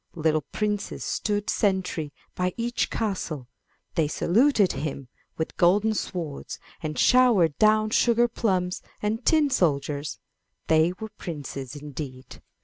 Little princes stood sentry by each castle; they saluted with golden swords and showered down sugar plums and tin soldiers; they were princes indeed.